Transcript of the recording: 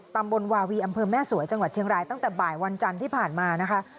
ตำบลวาวีอำเภอแม่สวยจังหวัดเชียงรายตั้งแต่บ่ายวันจันทร์ที่ผ่านมานะคะ